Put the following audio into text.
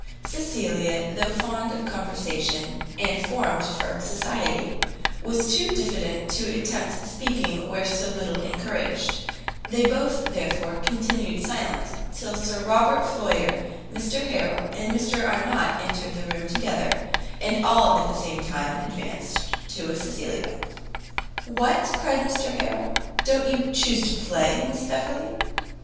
Cecilia, though fond of conversation and formed for society, was too diffident to attempt speaking where so little encouraged; they both, therefore, continued silent, till Sir Robert Floyer, Mr Harrel, and Mr Arnott entered the room together, and all at the same time advanced to Cecilia. "What," cried Mr Harrel, "don't you chuse to play, Miss Beverley?"